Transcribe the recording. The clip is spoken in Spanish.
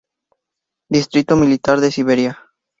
Distrito militar de Siberia.